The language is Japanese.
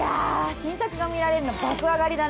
新作が見られるの爆上がりだね！